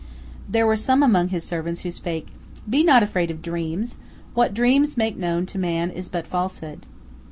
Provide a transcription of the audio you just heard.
" There were some among his servants who spake: "Be not afraid of dreams! What dreams make known to man is but falsehood."